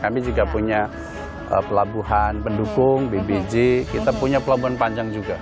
kami juga punya pelabuhan pendukung bbj kita punya pelabuhan panjang juga